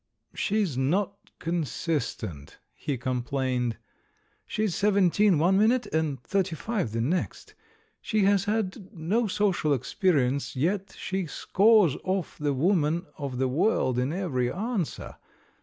"She's not consistent," he complained; "she's seventeen one minute, and thirty five the next. She has had 'no social experience,' yet she scores off the woman of the world in every answer.